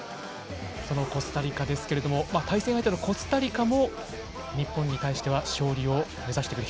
そのコスタリカですけど対戦相手のコスタリカも日本に対しては勝利を目指してくる。